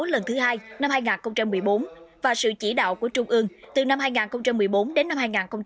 lần thứ hai năm hai nghìn một mươi bốn và sự chỉ đạo của trung ương từ năm hai nghìn một mươi bốn đến năm hai nghìn một mươi tám